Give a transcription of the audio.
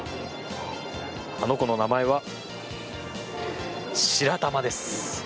あの子の名前はしらたまです。